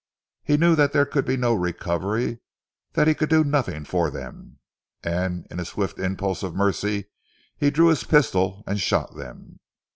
He knew that there could be no recovery, that he could do nothing for them, and in a swift impulse of mercy he drew his pistol and shot them.